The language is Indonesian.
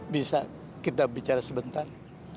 bisa kita bicara sebentar